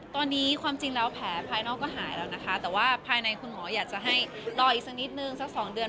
ตอนนี้ความจริงแล้วแผลภายนอกก็หายแล้วนะคะแต่ว่าภายในคุณหมออยากจะให้รออีกสักนิดนึงสัก๒เดือน